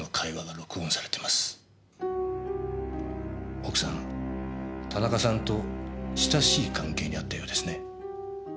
奥さん田中さんと親しい関係にあったようですね。